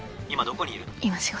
今どこにいるの？